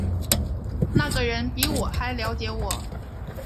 那个人比我还瞭解我